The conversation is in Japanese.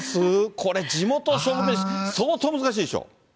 これ、地元勝負メシ、相当難しいでしょ。